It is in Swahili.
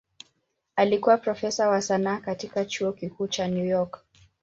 Alikuwa profesa wa sanaa katika Chuo Kikuu cha New York.